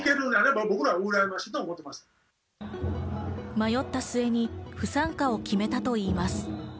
迷った末に不参加を決めたといいます。